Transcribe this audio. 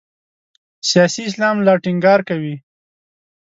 سیاسي اسلام لا ټینګار کوي.